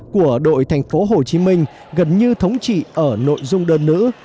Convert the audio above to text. của đội thành phố hồ chí minh gần như thống trị ở nội dung đơn nữ